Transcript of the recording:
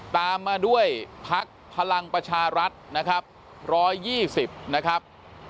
ตามมาด้วยพักพลังประชารัฐนะครับ๑๒๐นะครับ